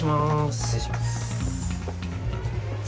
失礼します。